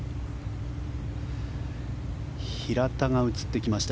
平田が映ってきました。